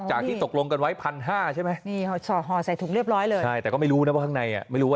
จากที่ตกลงกันไว้๑๕๐๐ใช่ไหมห่อแสดงถุงเรียบร้อย